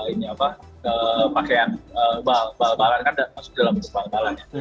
ini apa pakaian bal balan kan masuk dalam bal balannya